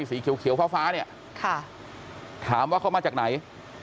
สีเขียวฟ้าฟ้าเนี่ยถามว่าเขามาจากไหน